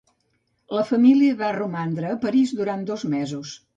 La família va romandre a París durant dos mesos.